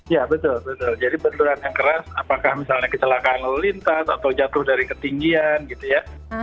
ya betul betul jadi benturan yang keras apakah misalnya kecelakaan lalu lintas atau jatuh dari ketinggian gitu ya